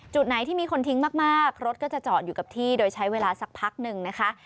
จุดไหนที่มีคนทิ้งมากรถก็จะจอดอยู่กับที่โดยใช้เวลาสักพักหนึ่งนะคะ